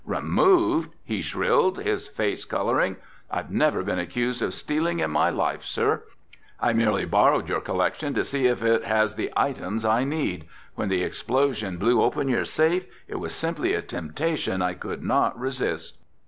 "Removed?" he shrilled, his face coloring. "I've never been accused of stealing in my life, sir! I merely borrowed your collection to see if it has the items I need. When the explosion blew open your safe, it was simply a temptation I could not resist."